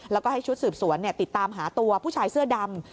แล้วก็ให้ชุดสืบสวนติดตามหาตัวผู้ชายเสื้อดำ